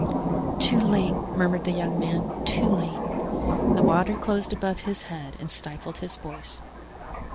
"Too late!" murmured the young man, "too late!" The water closed above his head and stifled his voice.